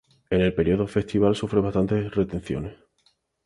En el periodo estival sufre bastantes retenciones.